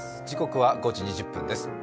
時刻は５時２０分です。